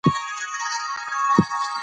راځئ چې یو بل ته درناوی وکړو.